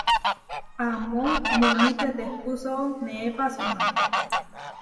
Amó muní tetehpúso neé pasumá.